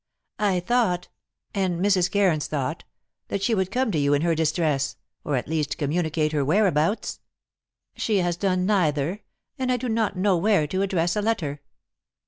"I thought and Mrs. Cairns thought that she would come to you in her distress, or at least communicate her whereabouts." "She has done neither, and I do not know where to address a letter."